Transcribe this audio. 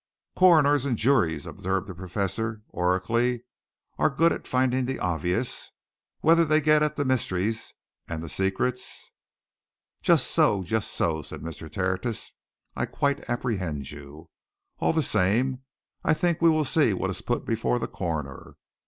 "Coroners and juries," observed the Professor oracularly, "are good at finding the obvious. Whether they get at the mysteries and the secrets " "Just so just so!" said Mr. Tertius. "I quite apprehend you. All the same, I think we will see what is put before the coroner.